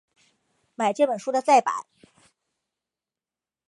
买这本书的再版